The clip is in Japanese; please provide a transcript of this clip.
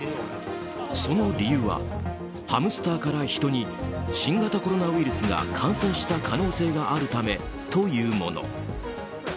その理由はハムスターからヒトに新型コロナウイルスが感染した可能性があるためというもの。